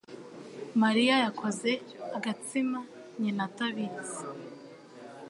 Mariya yakoze agatsima nyina atabizi.